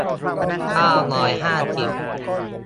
เก้าร้อยห้าสิบ